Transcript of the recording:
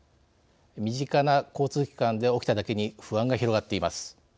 身近な交通機関で起きただけに不安が広がっています。